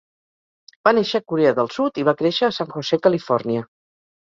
Va néixer a Corea del Sud i va créixer a San José, Califòrnia.